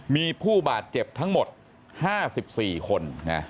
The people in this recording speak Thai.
มีผู้บาดเจ็บทั้งหมด๕๔คน